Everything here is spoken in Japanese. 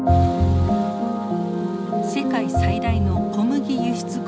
世界最大の小麦輸出国